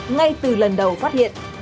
ngay từ lần đầu phát hiện